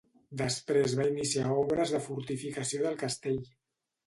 Després va iniciar obres de fortificació del castell.